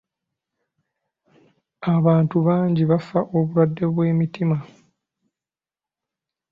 Abantu bangi bafa obulwadde bw'emitima.